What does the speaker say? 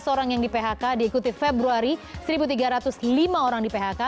satu empat ratus empat belas orang yang di phk diikuti februari satu tiga ratus lima orang di phk